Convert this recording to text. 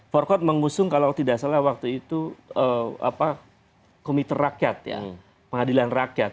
forkot mengusung kalau tidak salah waktu itu komite rakyat ya pengadilan rakyat